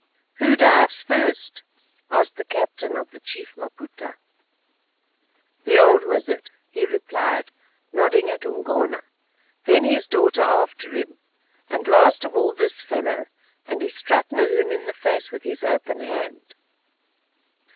"Who dives first," asked the captain of the Chief Maputa. "The old wizard," he replied, nodding at Umgona; "then his daughter after him, and last of all this fellow," and he struck Nahoon in the face with his open hand.